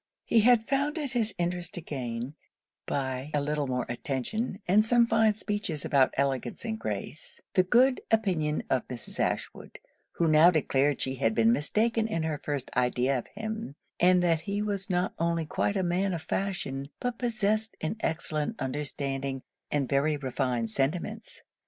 He had found it his interest to gain (by a little more attention, and some fine speeches about elegance and grace,) the good opinion of Mrs. Ashwood; who now declared she had been mistaken in her first idea of him, and that he was not only quite a man of fashion, but possessed an excellent understanding and very refined sentiments.